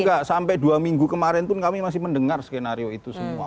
enggak sampai dua minggu kemarin pun kami masih mendengar skenario itu semua